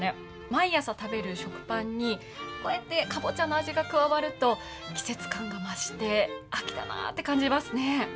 毎朝食べる食パンに、こうやってかぼちゃの味が加わると季節感が増して、秋だなと感じますね。